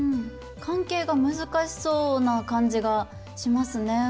関係が難しそうな感じがしますね。